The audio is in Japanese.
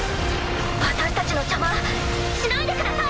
私たちの邪魔しないでください。